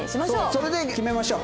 それで決めましょう。